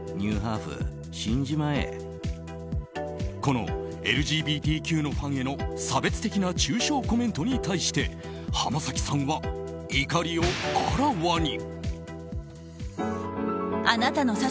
このＬＧＢＴＱのファンへの差別的な中傷コメントに対して浜崎さんは怒りをあらわに。